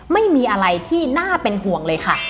ไม่มีอะไรที่น่าเป็นห่วงเลยค่ะ